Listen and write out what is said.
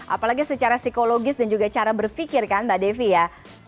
apalagi secara psikologis dan juga cara berpikir kan mbak devi ya